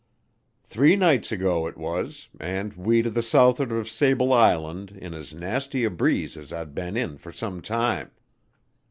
Three nights ago it was, and we to the south'ard of Sable Island in as nasty a breeze as I'd been in for some time.